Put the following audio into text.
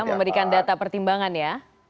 memberikan data pertimbangan ya